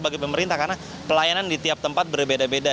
bagi pemerintah karena pelayanan di tiap tempat berbeda beda